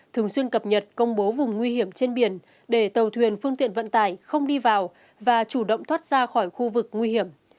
thường xuyên cập nhật công bố vùng nguy hiểm trên biển để tàu thuyền phương tiện vận tải không đi vào và chủ động thoát ra khỏi khu vực nguy hiểm